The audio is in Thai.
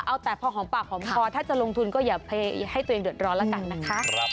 เอาแต่พอหอมปากหอมคอถ้าจะลงทุนก็อย่าไปให้ตัวเองเดือดร้อนแล้วกันนะคะ